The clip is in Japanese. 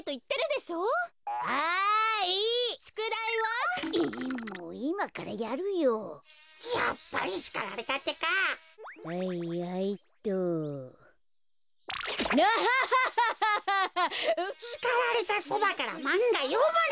しかられたそばからまんがよむな。